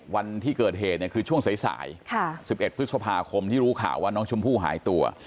วันที่เกิดเหตุเนี่ยคือช่วงสาย๑๑พฤษภาคมที่รู้ข่าวว่าน้องชมพู่หายตัว